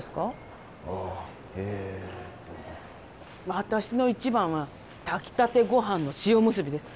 私の一番は炊きたてごはんの塩むすびです。